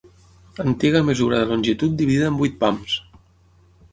Antiga mesura de longitud dividida en vuit pams.